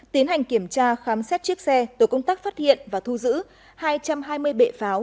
tiến hành kiểm tra khám xét chiếc xe tổ công tác phát hiện và thu giữ hai trăm hai mươi bệ pháo